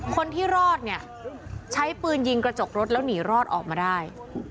คนที่รอดเนี่ยใช้ปืนยิงกระจกรถแล้วหนีรอดออกมาได้